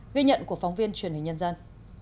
ghi nhận của phóng viên truyền hình nhân dân